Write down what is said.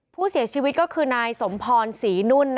ผู้เสียชีวิตก็คือนายสมพรศรีนุ่น